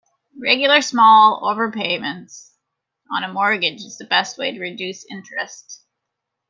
Regular small overpayment's on a mortgage is the best way to reduce interest.